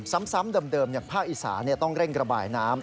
ซ้ำเดิมอย่างภาคอีสานต้องเร่งระบายน้ำ